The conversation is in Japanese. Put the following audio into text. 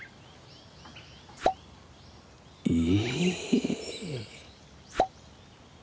え？